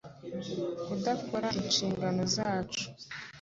Kudakora inshingano zacu